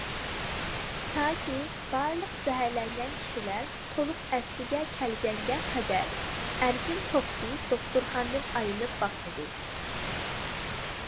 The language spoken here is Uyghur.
تاكى بارلىق زەھەرلەنگەن كىشىلەر تولۇق ئەسلىگە كەلگەنگە قەدەر ئەركىن توختى دوختۇرخانىدىن ئايرىلىپ باقمىدى.